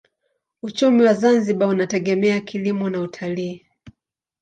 Uchumi wa Zanzibar unategemea kilimo na utalii.